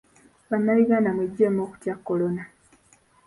Bannayuganda mweggyemu okutya Kolona.